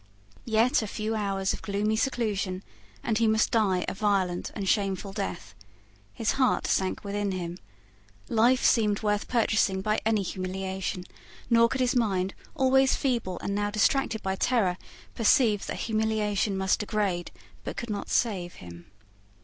Yet a few hours of gloomy seclusion, and he must die a violent and shameful death. His heart sank within him. Life seemed worth purchasing by any humiliation; nor could his mind, always feeble, and now distracted by terror, perceive that humiliation must degrade, but could not save him.